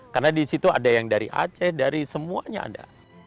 karena di situ ada yang dari aceh dari semuanya ada